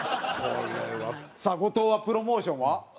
さあ後藤はプロモーションは？